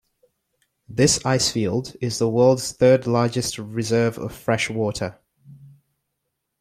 This ice field is the world's third largest reserve of fresh water.